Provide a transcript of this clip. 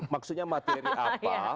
maksudnya materi apa